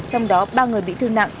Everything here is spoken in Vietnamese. trong đó ba người bị thương nặng